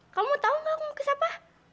kamu tau gak aku nge gukis apa